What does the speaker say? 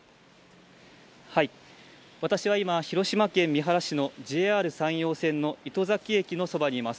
私は今、広島県三原市のＪＲ山陽線の糸崎駅のそばにいます。